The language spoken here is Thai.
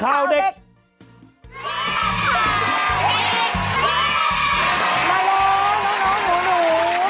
มาแล้วน้องหนู